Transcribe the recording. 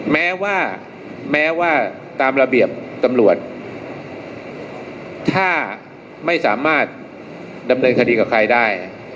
แม้ว่าแม้ว่าตามระเบียบตำรวจถ้าไม่สามารถดำเนินคดีกับใครได้